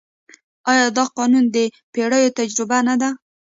آیا دا قانون د پېړیو تجربه نه ده؟